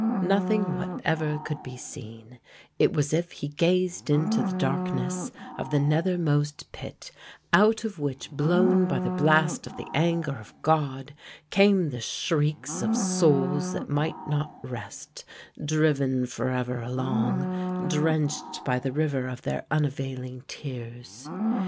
Nothing whatever could be seen; it was as if he gazed into the darkness of the nethermost pit, out of which blown by the blast of the anger of God came the shrieks of souls that might not rest, driven forever along, drenched by the river of their unavailing tears.